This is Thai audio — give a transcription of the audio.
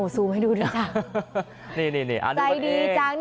สูงให้ดูดีจัง